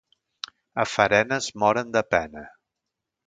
A Farena es moren de pena.